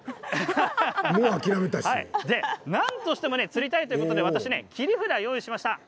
なんとか釣りたいということで切り札を用意しました。